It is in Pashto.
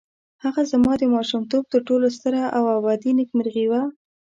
هغه زما د ماشومتوب تر ټولو ستره او ابدي نېکمرغي وه.